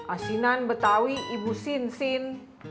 asinan betawi ibu sinsin